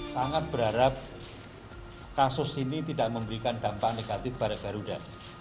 sangat berharap kasus ini tidak memberikan dampak negatif pada garuda